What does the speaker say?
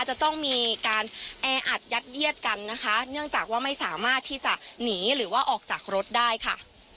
จะต้องมีการแออัดยัดเยียดกันนะคะเนื่องจากว่าไม่สามารถที่จะหนีหรือว่าออกจากรถได้ค่ะ